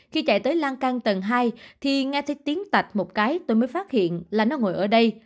khi chạy tới lan can tầng hai thì nghe thấy tiếng tạnh một cái tôi mới phát hiện là nó ngồi ở đây